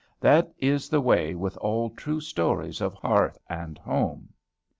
That is the way with all true stories of hearth and home.